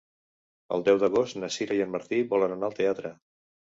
El deu d'agost na Sira i en Martí volen anar al teatre.